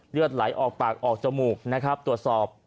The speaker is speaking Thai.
เลือดไหลออกปากออกจมูกนะครับตรวจสอบ